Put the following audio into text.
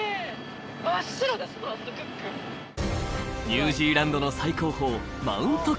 ニュージーランドの最高峰マウント